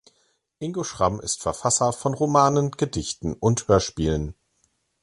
Ingo Schramm ist Verfasser von Romanen, Gedichten und Hörspielen.